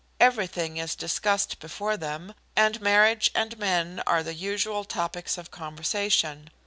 Everything is discussed before them, and marriage and men are the usual topics of conversation.